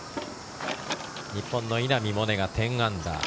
日本の稲見萌寧が１０アンダー。